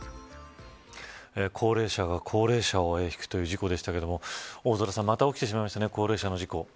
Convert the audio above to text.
高齢者が高齢者をひくという事故でしたけれども大空さん、また起きてしまいましたね、高齢者の事故。